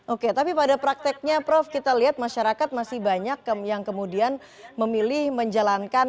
oke tapi pada prakteknya prof kita lihat masyarakat masih banyak yang kemudian memilih menjalankan